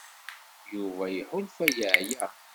Yuba iḥulfa yeɛya.